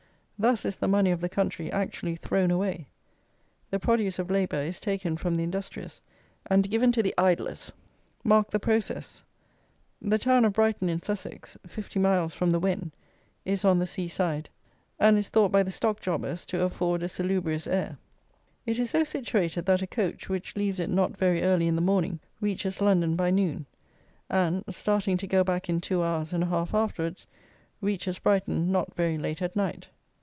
Thus is the money of the country actually thrown away: the produce of labour is taken from the industrious, and given to the idlers. Mark the process; the town of Brighton, in Sussex, 50 miles from the Wen, is on the seaside, and is thought by the stock jobbers to afford a salubrious air. It is so situated that a coach, which leaves it not very early in the morning, reaches London by noon; and, starting to go back in two hours and a half afterwards, reaches Brighton not very late at night.